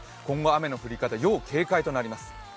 雨の降り方、要警戒となります。